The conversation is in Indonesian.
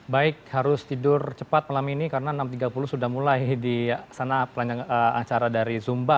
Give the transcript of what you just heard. baik harus tidur cepat malam ini karena enam tiga puluh sudah mulai di sana acara dari zumba